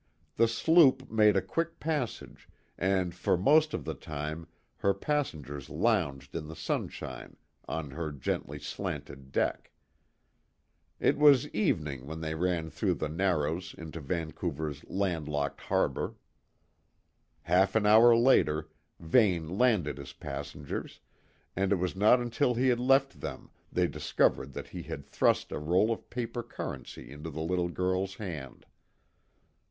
The sloop made a quick passage, and for most of the time her passengers lounged in the sunshine on her gently slanted deck. It was evening when they ran through the Narrows into Vancouver's land locked harbour. Half an hour later, Vane landed his passengers, and it was not until he had left them they discovered that he had thrust a roll of paper currency into the little girl's hand.